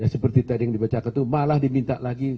seperti tadi yang dibacakan itu malah diminta lagi